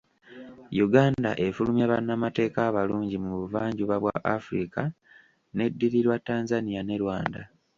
Uganda efulumya bannamateeka abalungi mu buvannjuba bwa Africa neddirirwa Tanzania ne Rwanda.